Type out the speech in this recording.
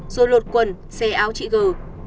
rồi lột quần xe áo chị gờ